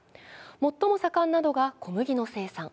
最も盛んなのが小麦の生産。